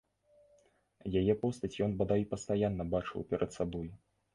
Яе постаць ён бадай пастаянна бачыў перад сабой.